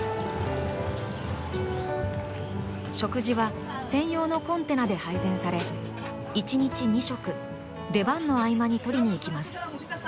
食事は専用のコンテナで配膳され１日２食出番の合間に取りに行きます。